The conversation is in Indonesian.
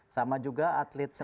sama juga atlet senang